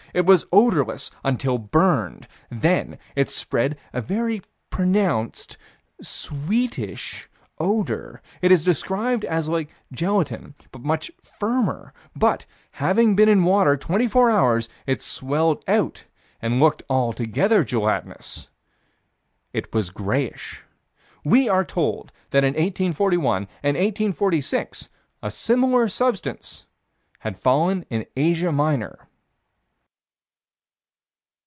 It was odorless until burned: then it spread a very pronounced sweetish odor. It is described as like gelatine, but much firmer: but, having been in water 24 hours, it swelled out, and looked altogether gelatinous It was grayish. We are told that, in 1841 and 1846, a similar substance had fallen in Asia Minor.